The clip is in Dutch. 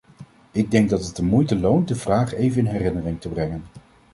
Ik denk dat het de moeite loont de vraag even in herinnering te brengen.